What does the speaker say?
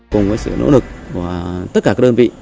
cùng với sự nỗ lực của tất cả các đơn vị